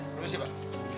terima kasih pak